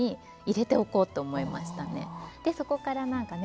でそこから何かね